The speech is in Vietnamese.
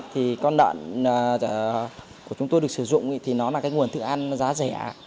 thì con đoạn của chúng tôi được sử dụng là nguồn thức ăn giá rẻ